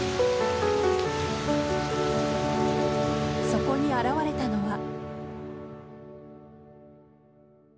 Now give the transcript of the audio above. そこに現れたのは。